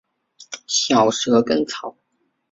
小蛇根草